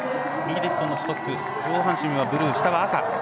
右手一本のストック上半身はブルー下は赤。